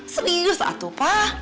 serius atuh pa